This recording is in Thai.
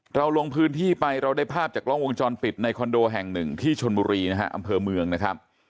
เราลงพื้นที่ไปเราได้ภาพจากกล้องวงจรปิดในคอนโดแห่งหนึ่งที่ชนบุรีนะฮะอำเภอเมืองนะครับ